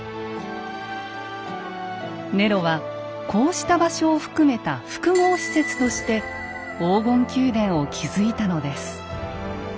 ネロはこうした場所を含めた複合施設として黄金宮殿を築いたのです。